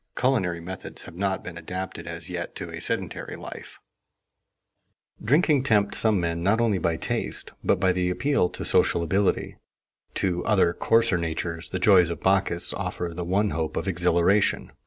Culinary methods have not been adapted as yet to a sedentary life. [Sidenote: Of drinks] Drinking tempts some men not only by taste, but by the appeal to sociability; to other coarser natures the joys of Bacchus offer the one hope of exhilaration.